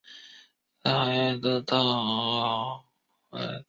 邻苯二胺由邻硝基苯胺的硫化钠还原或催化氢化还原得到。